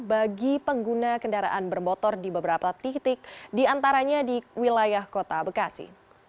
bagi pengguna kendaraan bermotor di beberapa titik diantaranya di wilayah kota bekasi